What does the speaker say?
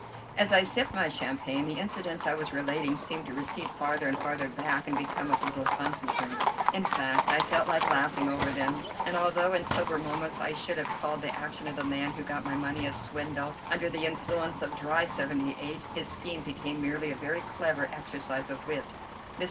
'" As I sipped my champagne, the incidents I was relating seemed to recede farther and farther back and become of little consequence. In fact I felt like laughing over them, and although in sober moments I should have called the action of the man who got my money a swindle, under the influence of dry '78 his scheme became merely a very clever exercise of wit. Mr.